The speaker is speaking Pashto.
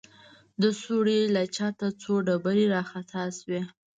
د سوړې له چته څو ډبرې راخطا سوې.